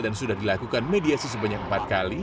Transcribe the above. dan sudah dilakukan mediasi sepenyak empat kali